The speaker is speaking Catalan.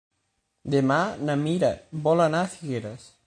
Demà na Mira vol anar a Figueres.